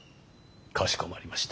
かしこまりました。